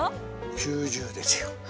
９０ですよ。